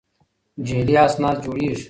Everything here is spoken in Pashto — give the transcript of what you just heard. جعلي اسناد جوړېږي.